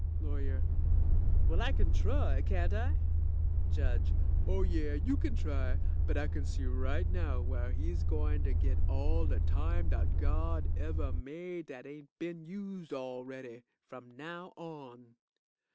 LAWYER Well, I kin try, can't I? JUDGE Oh yeah, you kin try, but I kin see right now where he's gointer git all de time dat God ever made dat ain't been used already. From now on.